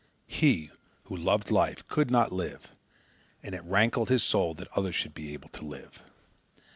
He, who loved life, could not live, and it rankled his soul that others should be able to live.